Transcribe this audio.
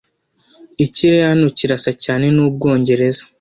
Ikirere hano kirasa cyane n'Ubwongereza.